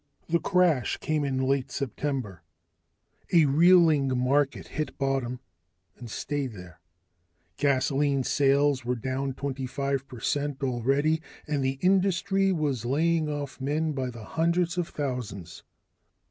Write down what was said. The crash came in late September: a reeling market hit bottom and stayed there. Gasoline sales were down twenty five percent already, and the industry was laying men off by the hundreds of thousands.